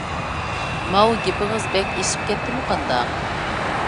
ماۋۇ گېپىڭىز بەك ئېشىپ كەتتىمۇ قانداق؟